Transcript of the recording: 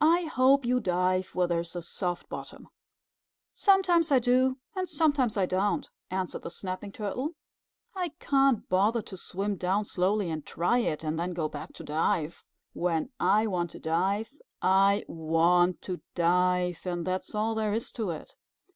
"I hope you dive where there is a soft bottom." "Sometimes I do and sometimes I don't," answered the Snapping Turtle. "I can't bother to swim down slowly and try it, and then go back to dive. When I want to dive, I want to dive, and that's all there is to it."